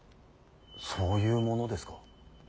そういうものですか。